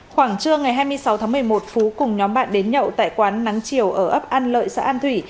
khoảng trưa ngày hai mươi sáu tháng một mươi một phú cùng nhóm bạn đến nhậu tại quán nắng chiều ở ấp an lợi xã an thủy